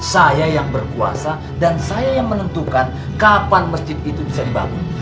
saya yang berkuasa dan saya yang menentukan kapan masjid itu bisa dibangun